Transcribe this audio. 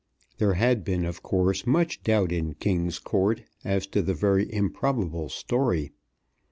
There had been, of course, much doubt in King's Court as to the very improbable story.